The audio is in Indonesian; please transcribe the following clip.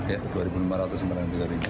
ya dua lima ratus kemarin tiga ribu